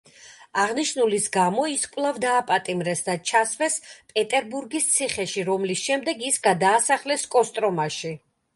აღნიშნულის გამო ის კვლავ დააპატიმრეს და ჩასვეს პეტერბურგის ციხეში, რომლის შემდეგ ის გადაასახლეს კოსტრომაში.